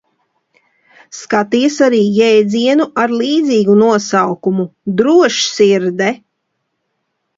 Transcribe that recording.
Skaties arī jēdzienu ar līdzīgu nosaukumu: Drošsirde.